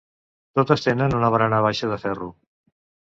Totes tenen una barana baixa de ferro.